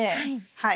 はい。